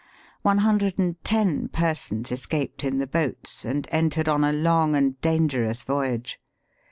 One hundred and ten persons escaped iu the boats, and entered on " a long and dangerous voyage."